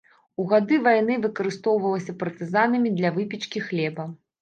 У гады вайны выкарыстоўвалася партызанамі для выпечкі хлеба.